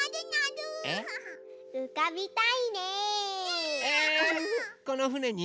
うかびたいね。